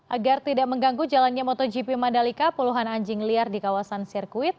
agar tidak mengganggu jalannya motogp mandalika puluhan anjing liar di kawasan sirkuit